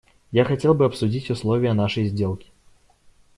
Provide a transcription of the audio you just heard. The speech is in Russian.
Я хотел бы обсудить условия нашей сделки.